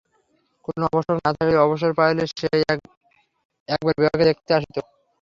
কোনো আবশ্যক না থাকিলেও অবসর পাইলে সে এক-একবার বিভাকে দেখিতে আসিত।